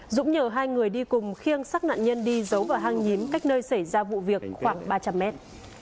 dũng nhờ hai người đi cùng khiêng xác nạn nhân đi giấu vào hang nhín cách nơi xảy ra vụ việc khoảng ba trăm linh mét